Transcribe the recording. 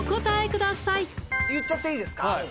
ください言っちゃっていいですか